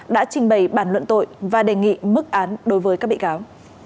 đã trình bày bản luận tội và đề nghị mức án đối với các bị cáo